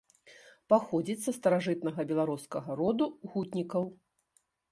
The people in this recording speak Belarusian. Паходзіць са старажытнага беларускага роду гутнікаў.